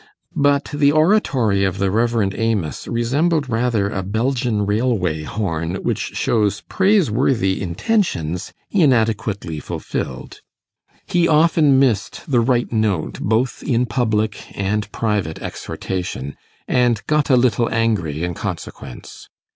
But the oratory of the Rev. Amos resembled rather a Belgian railway horn, which shows praiseworthy intentions inadequately fulfilled. He often missed the right note both in public and private exhortation, and got a little angry in consequence.